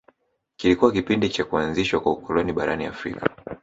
Kilikuwa kipindi cha kuanzishwa kwa ukoloni barani Afrika